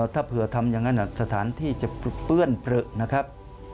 ถ้าเผื่อทำอย่างนั้นสถานที่จะเปื้อนเปลือนะครับ